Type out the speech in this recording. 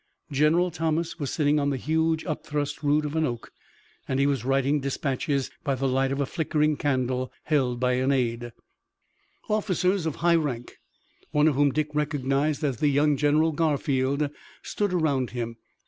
General Thomas was sitting on the huge, upthrust root of an oak, and he was writing dispatches by the light of a flickering candle held by an aide. Officers of high rank, one of whom Dick recognized as the young general, Garfield, stood around him.